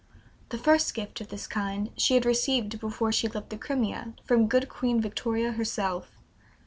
The first gift of this kind she had received before she left the Crimea, from good Queen Victoria herself.